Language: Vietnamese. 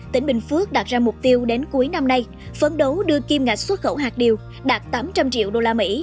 tỉnh bình phước đạt ra mục tiêu đến cuối năm nay phấn đấu đưa kim ngạch xuất khẩu hạt điều đạt tám trăm linh triệu usd